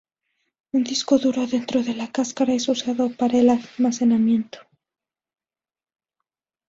Un disco duro dentro de la carcasa es usado para el almacenamiento.